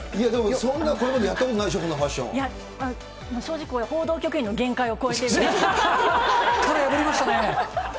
そんなこれまでやったことな正直これ、報道局員の限界を殻破りましたね。